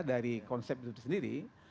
dari konsep itu sendiri